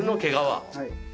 はい。